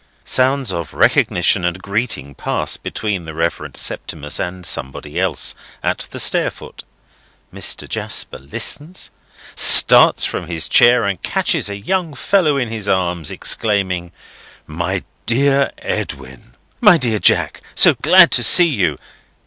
Sounds of recognition and greeting pass between the Reverend Septimus and somebody else, at the stair foot. Mr. Jasper listens, starts from his chair, and catches a young fellow in his arms, exclaiming: "My dear Edwin!" "My dear Jack! So glad to see you!"